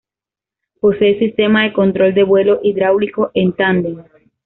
Posee sistema de control de vuelo hidráulico en tándem.